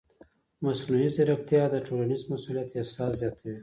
مصنوعي ځیرکتیا د ټولنیز مسؤلیت احساس زیاتوي.